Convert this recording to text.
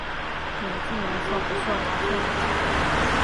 眼镜颜色不受毛色影响。